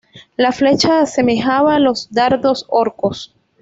La flecha asemejaba los dardos orcos.